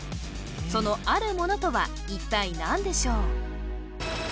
そのあるものとは一体何でしょう？